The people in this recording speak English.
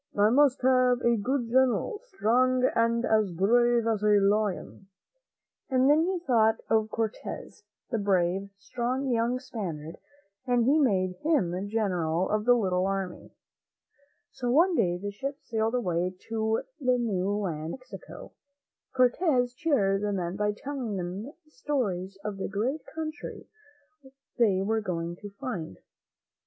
I must have a good General — strong, and as brave as a lion." And then he THE BEAUTIFUL CITY OF THE FLOATING ISLANDS \t.i .'■,■,■■.•■ ■«»i«i*~ thought of Cortez, the brave, strong young Spaniard, and he made him General of the Httle army. So one day the ships sailed away to the new land of Mexico. Cortez cheered the men by telling them stories of the great country they were going to find.